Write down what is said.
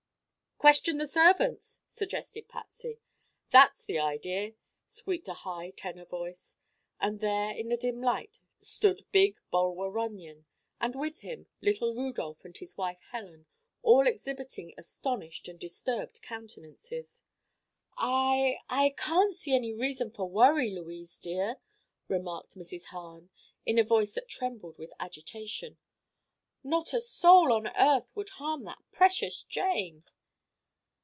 "Question the servants," suggested Patsy. "That's the idea," squeaked a high tenor voice, and there in the dim light stood big Bulwer Runyon, and with him little Rudolph and his wife Helen, all exhibiting astonished and disturbed countenances. "I—I can't see any reason for worry, Louise, dear," remarked Mrs. Hahn, in a voice that trembled with agitation. "Not a soul on earth would harm that precious Jane."